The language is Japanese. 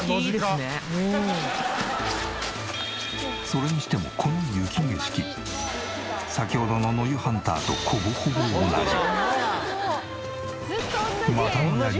それにしてもこの雪景色先ほどの野湯ハンターとほぼほぼ同じ。